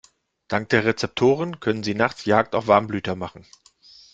Dank der Rezeptoren können sie nachts Jagd auf Warmblüter machen.